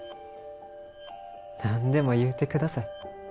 何でも言うて下さい。